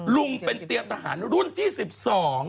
ลุงเป็นเตรียมทหารรุ่นที่สิบสอง